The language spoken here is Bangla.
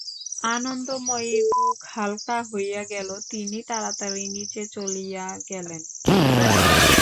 আনন্দময়ীর বুক হালকা হইয়া গেল– তিনি তাড়াতাড়ি নীচে চলিয়া গেলেন।